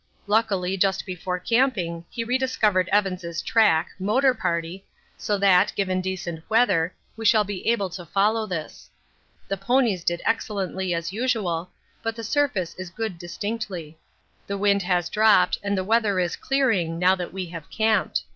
Luckily just before camping he rediscovered Evans' track (motor party) so that, given decent weather, we shall be able to follow this. The ponies did excellently as usual, but the surface is good distinctly. The wind has dropped and the weather is clearing now that we have camped.